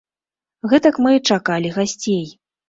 Гэтак мы чакалі гасцей.